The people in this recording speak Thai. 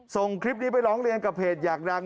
ส่งคลิปนี้ไปร้องเรียนกับเพจอยากดัง